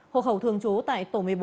hộ khẩu thường trú tại tổ một mươi bốn